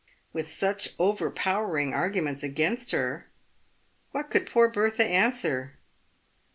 "With such overpowering arguments against her, what could poor Bertha answer?